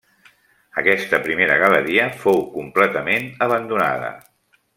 Aquesta primera galeria fou completament abandonada.